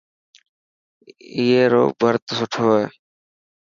اي رو ڀرت سٺو هي.